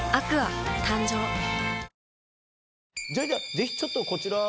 ぜひちょっとこちらに。